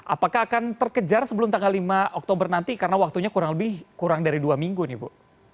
apakah akan terkejar sebelum tanggal lima oktober nanti karena waktunya kurang lebih kurang dari dua minggu nih bu